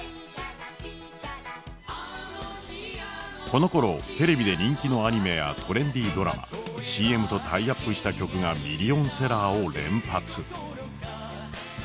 このころテレビで人気のアニメやトレンディードラマＣＭとタイアップした曲がミリオンセラーを連発。